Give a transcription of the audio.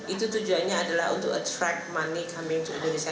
itu tujuannya adalah untuk attract money coming to indonesia